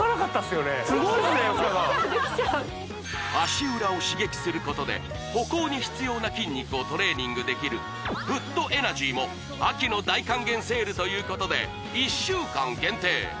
すごいですね吉川さん足裏を刺激することで歩行に必要な筋肉をトレーニングできるフットエナジーも秋の大還元セールということで１週間限定